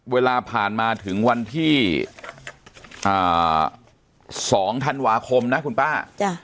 เวลาผ่านมาถึงวันที่๒ธันวาคมนะคุณป้า